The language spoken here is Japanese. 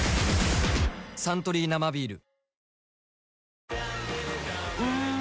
「サントリー生ビール」